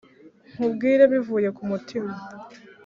nkubwire bivuye ku mutima